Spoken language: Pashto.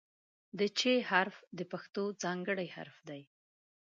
د "چ" حرف د پښتو ځانګړی حرف دی.